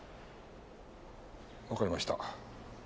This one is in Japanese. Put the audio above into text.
わかりました。